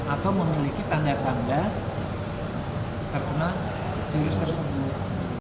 atau memiliki tanda tanda terkena virus tersebut